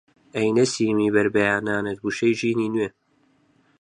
ئەی نەسیمی بەربەیانانت وشەی ژینی نوێ!